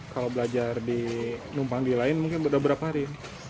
kalau belajar di numpang di lain mungkin udah berapa hari